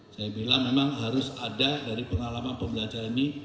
saya bilang memang harus ada dari pengalaman pembelajaran ini